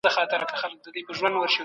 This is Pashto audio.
هغه څوک چي څېړنه کوي د ټولني روڼ اندی دی.